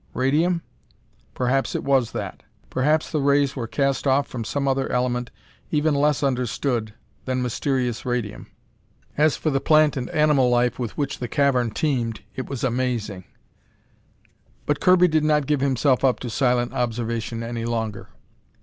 Radium? Perhaps it was that. Perhaps the rays were cast off from some other element even less understood than mysterious radium. As for the plant and animal life with which the cavern teemed, it was amazing. But Kirby did not give himself up to silent observation any longer.